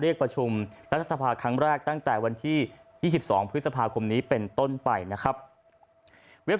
เรียกประชุมรัฐสภาครั้งแรกตั้งแต่วันที่๒๒พฤษภาคมนี้เป็นต้นไปนะครับ